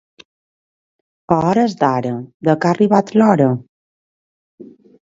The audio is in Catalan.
A hores d'ara, de què ha arribat l'hora?